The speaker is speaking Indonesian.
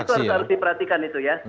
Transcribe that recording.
itu harus diperhatikan itu ya